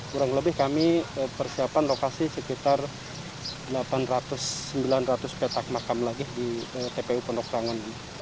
kurang lebih kami persiapan lokasi sekitar delapan ratus sembilan ratus petak makam lagi di tpu pondok rangun